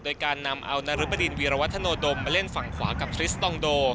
โดยการนำเอานรบดินวีรวัฒโนดมมาเล่นฝั่งขวากับทริสตองโด